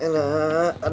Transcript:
biar gak kaku